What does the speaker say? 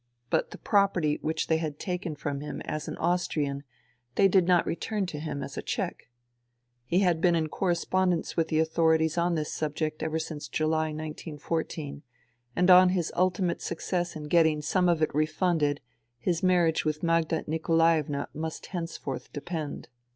But the property which they had taken from him as an Austrian they did not return to him as a Czech. He had been in correspondence with the authorities on this subject ever since July, 1914, and on his ultimate success in getting some of it refunded his marriage with Magda Nikolaevna must henceforth depend.